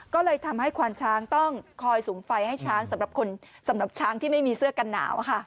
ก็เลยทำให้ควานช้างต้องคอยสูงไฟให้ช้างสำหรับคนสำหรับช้างที่ไม่มีเสื้อกันหนาวค่ะ